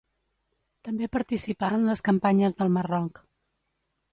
També participà en les campanyes del Marroc.